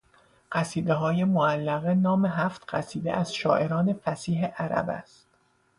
قصیده های معلقه نام هفت قصیده از شاعران فصیح عرب است